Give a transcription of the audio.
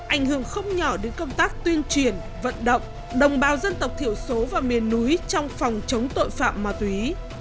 ảnh hưởng không nhỏ đến công tác tuyên truyền vận động đồng bào dân tộc thiểu số và miền núi trong phòng chống tội phạm ma túy